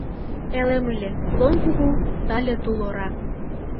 Элем ыле — лоҥ кугу, тале тул ора.